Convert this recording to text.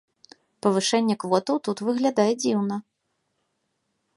Павышэнне квотаў тут выглядае дзіўна.